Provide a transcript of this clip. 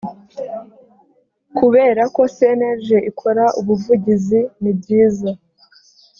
kubera ko cnlg ikora ubuvugizi nibyiza